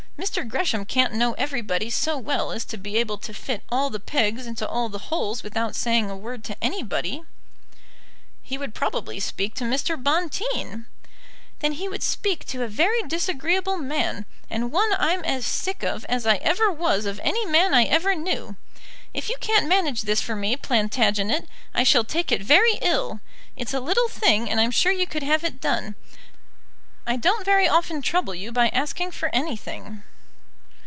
Mr. Gresham can't know everybody so well as to be able to fit all the pegs into all the holes without saying a word to anybody." "He would probably speak to Mr. Bonteen." "Then he would speak to a very disagreeable man, and one I'm as sick of as I ever was of any man I ever knew. If you can't manage this for me, Plantagenet, I shall take it very ill. It's a little thing, and I'm sure you could have it done. I don't very often trouble you by asking for anything."